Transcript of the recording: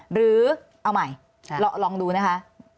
หรือเอาใหม่ลองดูนะคะ